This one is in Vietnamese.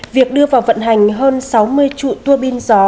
việc đưa vào vận hành hơn sáu mươi trụ tuô bin gió